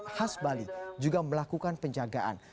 khas bali juga melakukan penjagaan